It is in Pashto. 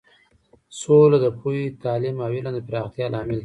سوله د پوهې، تعلیم او علم د پراختیا لامل کیږي.